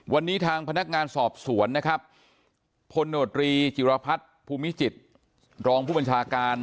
วันนี้ทางพนักงานสอบสวนนะครับพลโนตรีจิรพัฒน์ภูมิจิตรองผู้บัญชาการ